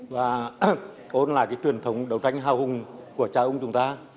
và ôn lại cái truyền thống đấu tranh hào hùng của cha ông chúng ta